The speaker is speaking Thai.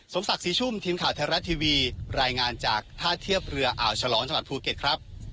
ศักดิ์ศรีชุ่มทีมข่าวไทยรัฐทีวีรายงานจากท่าเทียบเรืออ่าวฉลองจังหวัดภูเก็ตครับ